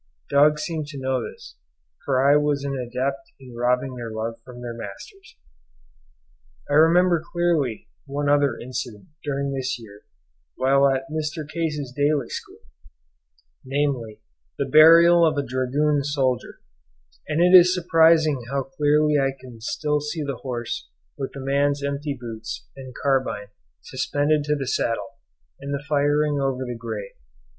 Dogs seemed to know this, for I was an adept in robbing their love from their masters. I remember clearly only one other incident during this year whilst at Mr. Case's daily school,—namely, the burial of a dragoon soldier; and it is surprising how clearly I can still see the horse with the man's empty boots and carbine suspended to the saddle, and the firing over the grave.